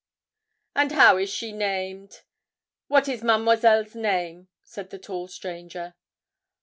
'And how is she named what is Mademoiselle's name?' said the tall stranger.